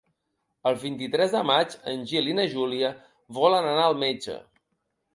El vint-i-tres de maig en Gil i na Júlia volen anar al metge.